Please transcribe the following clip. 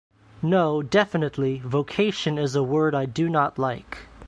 No, definitely, vocation is a word I do not like.